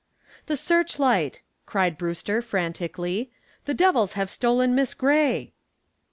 "The searchlight!" cried Brewster frantically. "The devils have stolen Miss Gray."